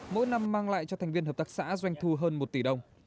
mỗi năm mang lại cho thành viên hợp tác xã doanh thu hơn một tỷ đồng